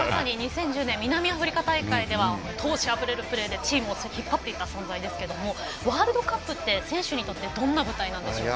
２０１０年の南アフリカ大会では闘志あふれるプレーでチームを引っ張っていた存在ですがワールドカップって選手にとってどんな舞台ですか。